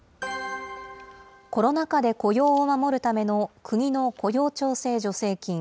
コロナ禍で雇用を守るための国の雇用調整助成金。